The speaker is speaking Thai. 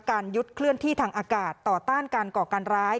ยุดเคลื่อนที่ทางอากาศต่อต้านการก่อการร้าย